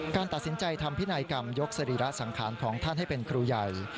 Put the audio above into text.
การตัดสินใจทำพินัยกรรมยกสรีระสังขารของท่านให้เป็นครูใหญ่